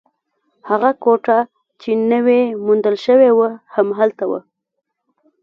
هغه کوټه چې نوې موندل شوې وه، هم هلته وه.